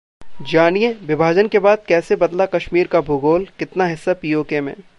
जानिए, विभाजन के बाद कैसे बदला कश्मीर का भूगोल, कितना हिस्सा PoK में